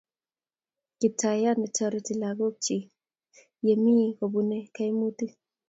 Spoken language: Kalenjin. kiptayat ne tareti lagok chik ya mi kopune kaimutik